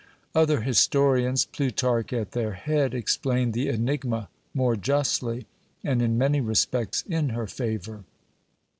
Other historians, Plutarch at their head, explained the enigma more justly, and in many respects in her favour.